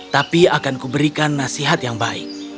tapi aku akan memberikan nasihat yang baik